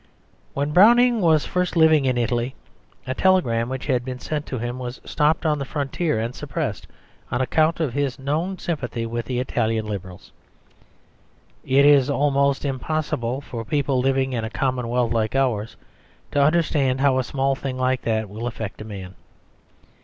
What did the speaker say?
When Browning was first living in Italy, a telegram which had been sent to him was stopped on the frontier and suppressed on account of his known sympathy with the Italian Liberals. It is almost impossible for people living in a commonwealth like ours to understand how a small thing like that will affect a man.